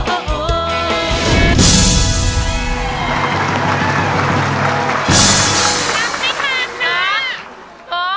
สัมพิธี